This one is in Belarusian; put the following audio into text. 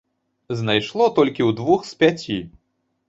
Знайшло толькі ў двух з пяці.